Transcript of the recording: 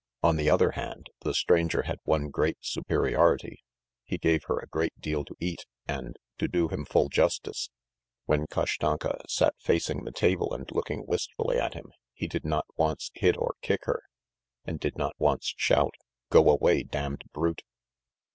On the other hand, the stranger had one great superiority he gave her a great deal to eat and, to do him full justice, when Kashtanka sat facing the table and looking wistfully at him, he did not once hit or kick her, and did not once shout: "Go away, damned brute!"